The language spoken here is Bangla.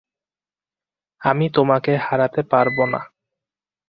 আমি তোমাকে হারাতে পারবো না।